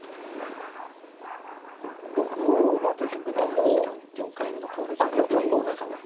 ６五馬と引くのもあっ４五馬ですね。